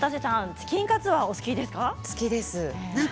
チキンカツは好きですか？